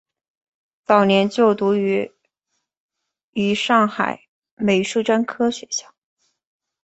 早年就读于于上海美术专科学校。